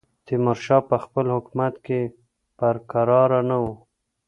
تیمورشاه په خپل حکومت کې پر کراره نه وو.